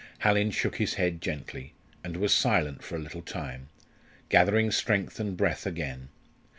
Hallin shook his head gently, and was silent for a little time, gathering strength and breath again.